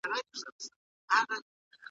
د اسلام دین د رڼا او هدایت لاره ده.